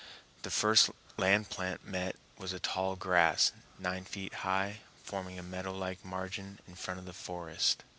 The first land plant met was a tall grass, nine feet high, forming a meadow like margin in front of the forest.